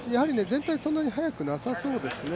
全体、そんなに速くなさそうですね